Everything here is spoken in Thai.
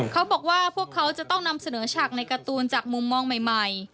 เขาบอกว่าพวกเขาจะต้องนำเสนอฉากในการ์ตูนจากมุมมองใหม่